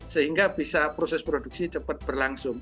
sehingga bisa proses produksi cepat berlangsung